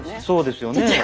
そうですよね。